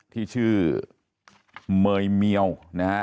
ที่ชื่อเมยเมียวนะฮะ